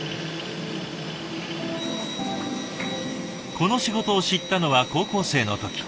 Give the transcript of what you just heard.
この仕事を知ったのは高校生の時。